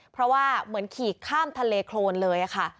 เพราะว่าเหมือนขี่ข้ามทะเลโครนเลยค่ะ